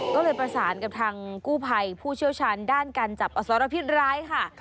ก็เลยประสานกับทางกู้ภัยผู้เชี่ยวชาญด้านการจับอสรพิษร้ายค่ะ